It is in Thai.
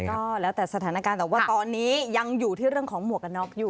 ก็แล้วแต่สถานการณ์แต่ว่าตอนนี้ยังอยู่ที่เรื่องของหมวกกันน็อกอยู่